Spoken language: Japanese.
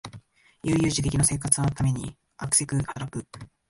悠々自適の生活のためにあくせく働く